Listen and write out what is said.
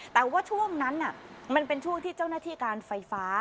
แต่ว่าช่วงนั้นมันเป็นช่วงที่เจ้าหน้าที่การไฟฟ้า